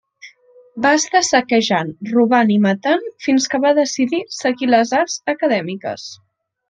Va estar saquejant, robant i matant, fins que va decidir seguir les arts acadèmiques.